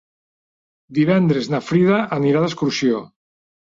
Divendres na Frida anirà d'excursió.